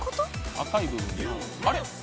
赤い部分のあれ？